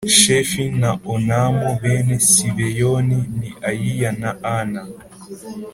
Shefi na onamu bene sibeyoni ni ayiya na ana